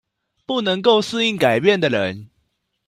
不能夠適應改變的人